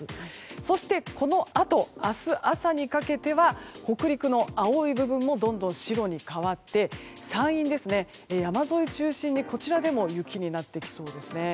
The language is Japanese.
そして、このあと明日朝にかけては北陸の青い部分もどんどん白に変わって山陰ですね、山沿いを中心にこちらでも雪になってきそうです。